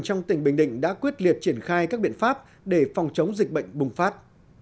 trong tỉnh bình định đã quyết liệt triển khai các biện pháp để phòng chống dịch bệnh bùng phát